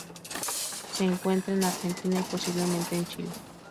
Se encuentra en Argentina y posiblemente en Chile.